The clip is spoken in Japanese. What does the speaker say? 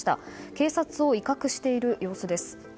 警察を威嚇している様子です。